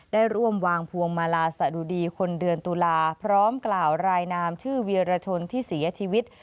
ได้ร่วมวางพวงมาลาสะดุดีคนเดือนตุลาพร้อมกล่าวรายนามชื่อเวียรชนที่เสียชีวิต